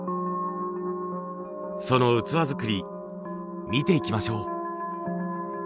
その器作り見ていきましょう。